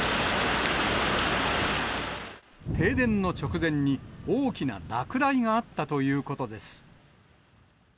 停電の直前に、大きな落雷があったということです。